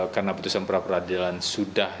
karena putusan peradilan sudah